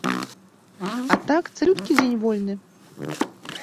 А так цалюткі дзень вольны.